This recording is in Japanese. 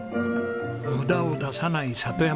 無駄を出さない里山の暮らし。